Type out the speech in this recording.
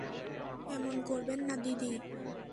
এমন করবেন না, দিদি!